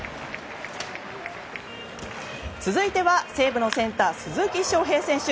続いては、西武のセンター鈴木将平選手。